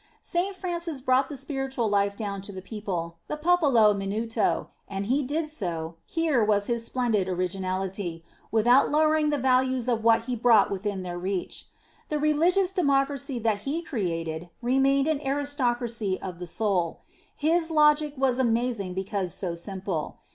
St. Francis brought the spiritual life down to the people, the po polo minuto, and he did so here was his splendid originality without lowering the values of what he brought within their reach. The religious de mocracy that he created remained an aristocracy of the soul. His logic was amazing because so simple.